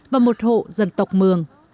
và một hộ dân tộc mường